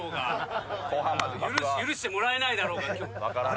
許してもらえないだろうから。